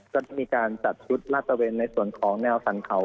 ก็มีการจัดชุดราชเตอร์เวนในส่วนของแนวสันเขา